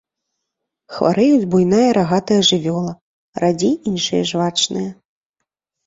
Хварэюць буйная рагатая жывёла, радзей іншыя жвачныя.